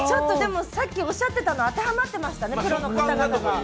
さっきおっしゃってたの当てはまってましたね。